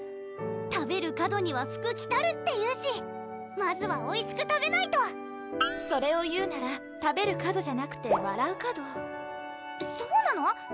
「食べる門には福来たる」って言うしまずはおいしく食べないとそれを言うなら「食べる門」じゃなくて「笑う門」そうなの？